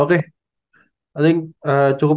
enaknya seg tartu juman satu penggantian ya iya sudah bergema